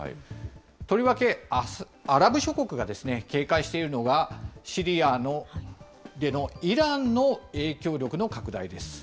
とりわけアラブ諸国が警戒しているのが、シリアでのイランの影響力の拡大です。